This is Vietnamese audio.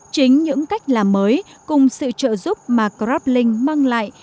chính những cách làm mới cùng sự trợ giúp mà grablink mang lại